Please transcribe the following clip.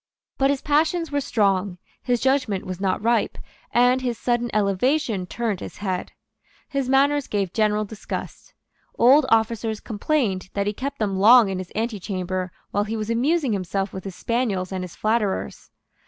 But his passions were strong; his judgment was not ripe; and his sudden elevation turned his head. His manners gave general disgust. Old officers complained that he kept them long in his antechamber while he was amusing himself with his spaniels and his flatterers.